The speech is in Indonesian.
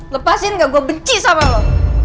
lepasin gak gue benci sama lo